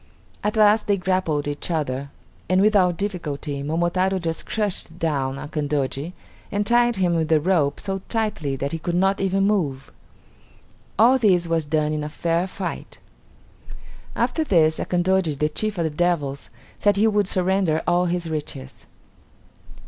At last they grappled each other, and without difficulty Momotaro just crushed down Akandoji and tied him with a rope so tightly that he could not even move. All this was done in a fair fight. After this Akandoji the chief of the devils said he would surrender all his riches.